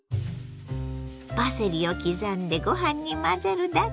パセリを刻んでご飯に混ぜるだけ！